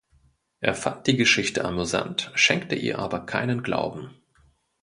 Er fand die Geschichte amüsant, schenkte ihr aber keinen Glauben.